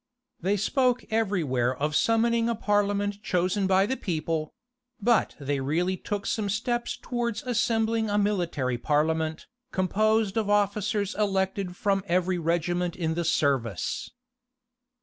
They spoke every where of summoning a parliament chosen by the people; but they really took some steps towards assembling a military parliament, composed of officers elected from every regiment in the service.